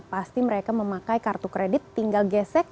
pasti mereka memakai kartu kredit tinggal gesek